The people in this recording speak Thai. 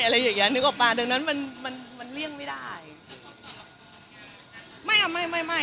อะไรอย่างเงี้นึกออกมาดังนั้นมันมันเลี่ยงไม่ได้ไม่เอาไม่ไม่ไม่